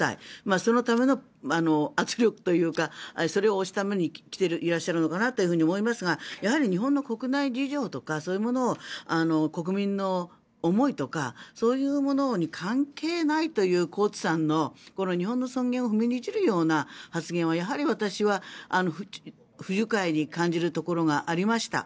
そのための圧力というかそれを推すためにいらっしゃるのかなと思いますがやはり日本の国内事情とかそういうものを国民の思いとかそういうものに関係ないというコーツさんの、日本の尊厳を踏みにじるような発言は私は不愉快に感じるところがありました。